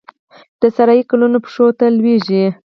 د سارايي ګلونو پښو ته لویږې